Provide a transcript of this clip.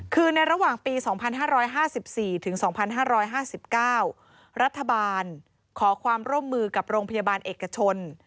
คือในระหว่างปี๒๕๕๔ถึง๒๕๕๙รัฐบาลขอความร่วมมือกับโรงพยาบาลเอกชน